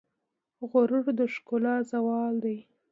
غرور د ښکلا زوال دی.